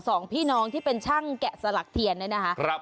สองพี่น้องที่เป็นช่างแกะสลักเทียนเนี่ยนะคะครับ